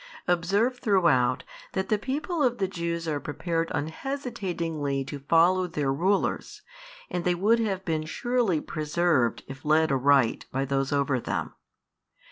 Observe throughout that the people of the Jews are prepared unhesitatingly to follow their rulers, and they would have been surely preserved if led aright by those over them.